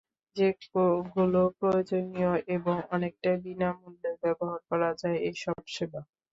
যেগুলো প্রয়োজনীয় এবং অনেকটাই বিনা মূল্যে ব্যবহার করা যায় এসব সেবা।